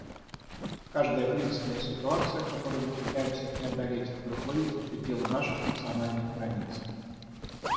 Каждая кризисная ситуация, которую мы пытаемся преодолеть, выходит за пределы наших национальных границ.